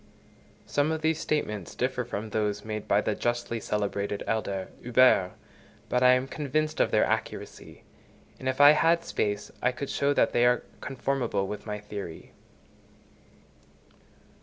Some of these statements differ from those made by the justly celebrated elder Huber, but I am convinced of their accuracy; and if I had space, I could show that they are conformable with my theory.